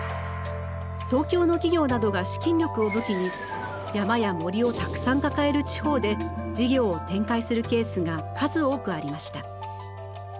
東京の企業などが資金力を武器に山や森をたくさん抱える地方で事業を展開するケースが数多くありました。